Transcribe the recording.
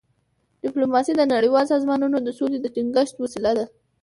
ډيپلوماسي د نړیوالو سازمانونو د سولي د ټینګښت وسیله ده.